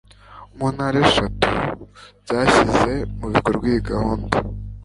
mu ntara eshatu zashyize mu bikorwa iyi gahunda